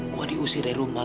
gue diusir dari rumah